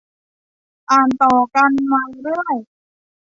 อ่านต่อกันมาเรื่อย